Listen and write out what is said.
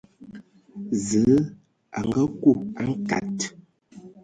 Zǝə a aku a nkad.